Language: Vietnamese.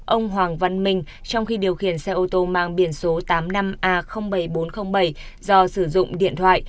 ông hoàng văn minh trong khi điều khiển xe ô tô mang biển số tám mươi năm a bảy nghìn bốn trăm linh bảy do sử dụng điện thoại